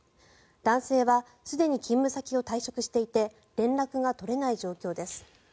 男性はすでに勤務先を退職していて連絡が取れない状況です。